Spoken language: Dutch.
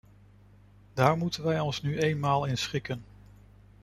Daar moeten wij ons nu eenmaal in schikken.